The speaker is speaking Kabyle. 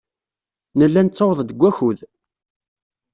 Nella nettaweḍ-d deg wakud.